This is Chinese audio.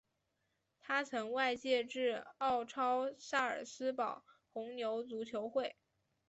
他曾外借至奥超萨尔斯堡红牛足球会。